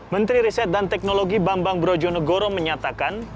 menteri riset dan teknologi bambang brojonegoro menyatakan